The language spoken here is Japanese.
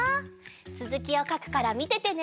つづきをかくからみててね！